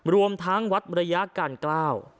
รวมทั้งวัดระยะการเกล้า